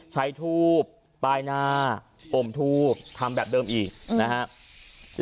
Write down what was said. ใส่ทูบปลายหน้าอมทูบทำแบบเดิมอีกอืมนะฮะ